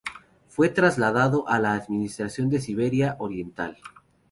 Fue trasladado a la administración de Siberia Oriental.